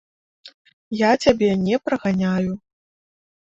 Я цябе не праганяю.